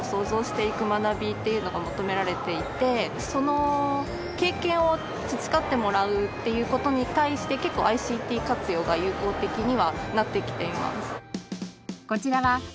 その経験を培ってもらうっていう事に対して結構ＩＣＴ活用が有効的にはなってきています。